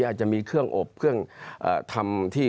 อาจจะมีเครื่องอบเครื่องทำที่